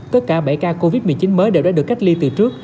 tất cả bảy ca covid một mươi chín mới đều đã được cách ly từ trước